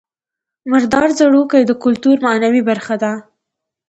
مردار ځړوکی د کولتور معنوي برخه ده